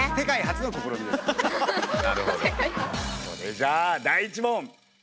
それじゃ第１問！